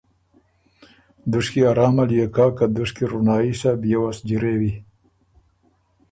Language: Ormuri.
دُشکی ارام ال يې کَۀ، که دُشکی رونړايي سَۀ بيې وه سو جیرېوی۔